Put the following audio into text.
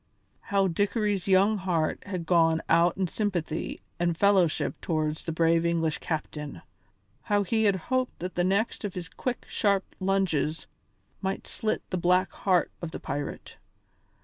How Dickory's young heart had gone out in sympathy and fellowship towards the brave English captain! How he had hoped that the next of his quick, sharp lunges might slit the black heart of the pirate!